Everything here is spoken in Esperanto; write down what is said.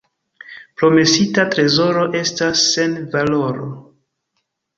Promesita trezoro estas sen valoro.